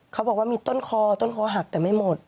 เขาบอกว่ามีต้นคอต้นคอหักแต่ไม่หมด